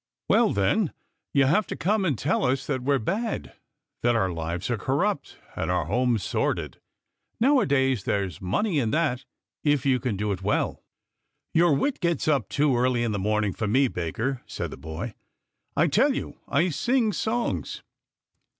" Well, then, you have come to tell us that we are bad, that our lives are corrupt and our homes sordid. Nowadays there's money in that if you can do it well." " Your wit gets up too early in the morning for me, baker," said the boy. " I tell you I sing songs."